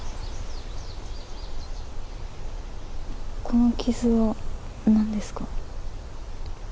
この傷はなんですか？